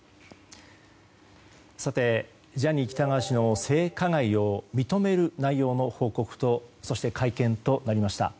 さて、ジャニー喜多川氏の性加害を認める内容の報告とそして、会見となりました。